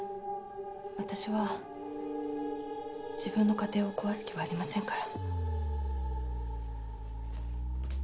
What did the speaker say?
私は自分の家庭を壊す気はありませんから。